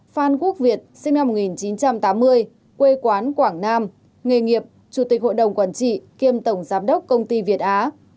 phan quốc việt sinh năm một nghìn chín trăm tám mươi quê quán quảng nam nghề nghiệp chủ tịch hội đồng quản trị kiêm tổng giám đốc công ty việt á